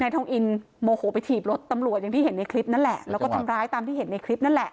ทองอินโมโหไปถีบรถตำรวจอย่างที่เห็นในคลิปนั่นแหละแล้วก็ทำร้ายตามที่เห็นในคลิปนั่นแหละ